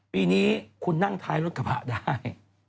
ปีนี้คุณนั่งท้ายรถกระบะได้